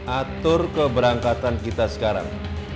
atur keberangkatan kita sekarang